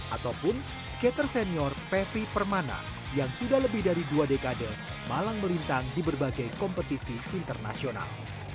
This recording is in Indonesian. ataupun skater senior pevi permana yang sudah lebih dari dua dekade malang melintang di berbagai kompetisi internasional